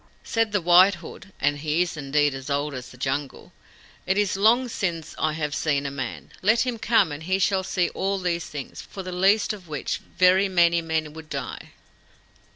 Said the White Hood (and he is indeed as old as the Jungle): 'It is long since I have seen a man. Let him come, and he shall see all these things, for the least of which very many men would die.